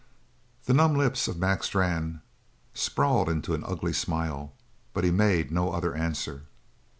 The numb lips of Mac Strann sprawled in an ugly smile, but he made no other answer.